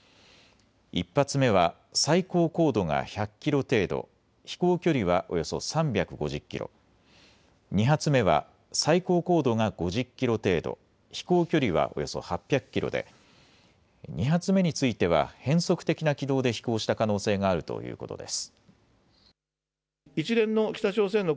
１発目は最高高度が１００キロ程度、飛行距離はおよそ３５０キロ、２発目は最高高度が５０キロ程度、飛行距離はおよそ８００キロで２発目については変則的な軌道で飛行した可能性があるということです。